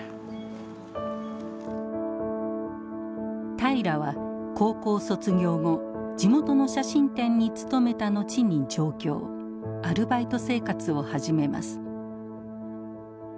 平良は高校卒業後地元の写真店に勤めたのちに上京アルバイト生活を始めます。